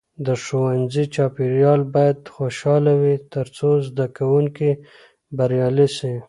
د ښوونځي چاپیریال باید خوشحاله وي ترڅو زده کوونکي بریالي سي.